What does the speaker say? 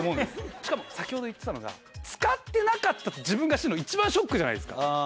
しかも先ほど言ってたのが使ってなかったって自分が知るの一番ショックじゃないですか。